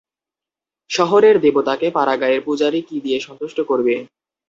শহরের দেবতাকে পাড়াগাঁয়ের পূজারি কী দিয়ে সন্তুষ্ট করবে।